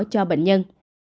cho bệnh nhân